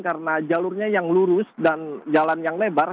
karena jalurnya yang lurus dan jalan yang lebar